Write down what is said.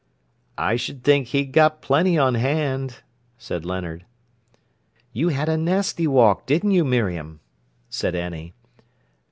"I s'd think he'd got plenty on hand," said Leonard. "You had a nasty walk, didn't you, Miriam?" said Annie.